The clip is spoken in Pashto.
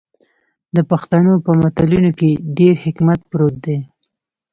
د پښتنو په متلونو کې ډیر حکمت پروت دی.